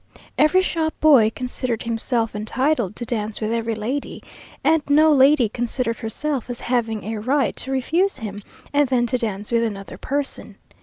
Every shop boy considered himself entitled to dance with every lady, and no lady considered herself as having a right to refuse him, and then to dance with another person.